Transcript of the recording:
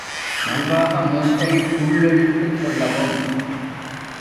நன்றாக மூச்சை உள்ளிழுத்துக் கொள்ளவும்.